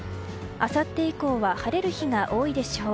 あさって以降は晴れる日が多いでしょう。